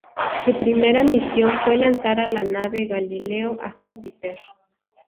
Su primera misión fue lanzar a la nave Galileo a Júpiter.